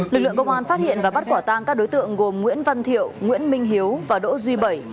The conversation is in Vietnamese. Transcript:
lực lượng công an phát hiện và bắt quả tang các đối tượng gồm nguyễn văn thiệu nguyễn minh hiếu và đỗ duy bảy